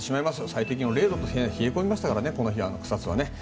最低気温０度と冷え込みましたから草津はね。